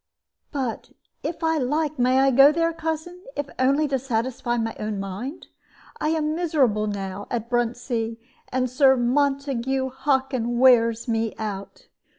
"But if I like, may I go there, cousin, if only to satisfy my own mind? I am miserable now at Bruntsea, and Sir Montague Hockin wears me out."